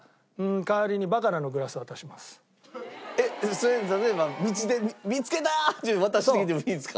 それ例えば道で「見付けた！」って渡してきてもいいんですか？